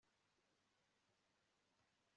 iki gitabo kizakora